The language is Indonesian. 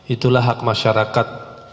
itulah hak masyarakat